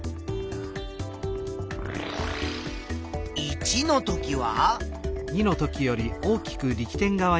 １のときは。